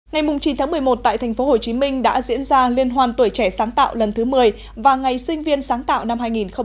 ngày chín tháng một mươi một tại tp hcm đã diễn ra liên hoan tuổi trẻ sáng tạo lần thứ một mươi và ngày sinh viên sáng tạo năm hai nghìn một mươi chín